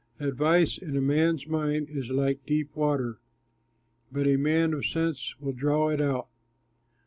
Advice in a man's mind is like deep water, But a man of sense will draw it out.